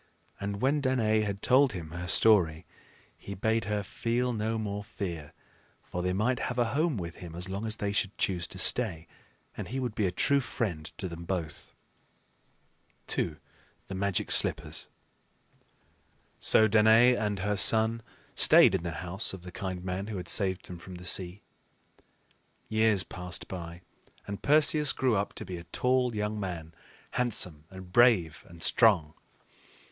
And when Danaë had told him her story, he bade her feel no more fear; for they might have a home with him as long as they should choose to stay, and he would be a true friend to them both. II. THE MAGIC SLIPPERS. So Danaë and her son stayed in the house of the kind man who had saved them from the sea. Years passed by, and Perseus grew up to be a tall young man, handsome, and brave, and strong.